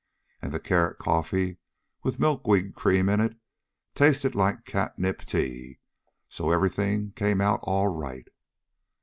And the carrot coffee with milkweed cream in it, tasted like catnip tea, so everything came out all right.